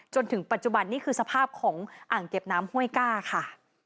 จนถึงปัจจุบันนี่คือสภาพของอ่างเก็บน้ำห้วยก้าค่ะ